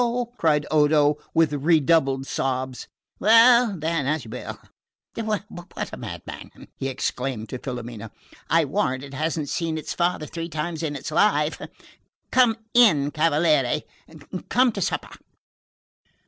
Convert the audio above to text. cried Odo with redoubled sobs. "Well, then, as you will. What a madman!" he exclaimed to Filomena. "I warrant it hasn't seen its father three times in its life. Come in, cavaliere; come to supper."